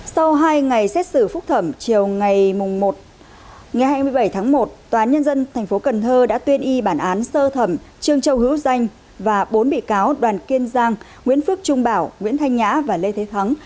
sau hai ngày xét xử phúc thẩm chiều ngày hai mươi bảy tháng một tòa nhân dân tp cần thơ đã tuyên y bản án sơ thẩm trương châu hữu danh và bốn bị cáo đoàn kiên giang nguyễn phước trung bảo nguyễn thanh nhã và lê thế thắng